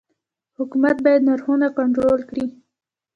حکومت باید نرخونه کنټرول کړي؟